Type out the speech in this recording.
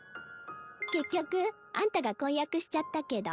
結局あんたが婚約しちゃったけど。